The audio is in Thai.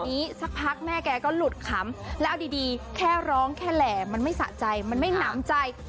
สักพักแม่แกก็หลุดขำแล้วเอาดีแค่ร้องแค่แหล่มันไม่สะใจมันไม่หนำใจ